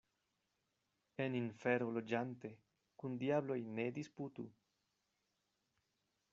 En infero loĝante, kun diabloj ne disputu.